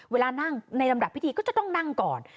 เวลานั่งในลำดับพิธีก็จะต้องนั่งก่อน